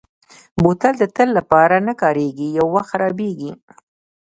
بوتل د تل لپاره نه کارېږي، یو وخت خرابېږي.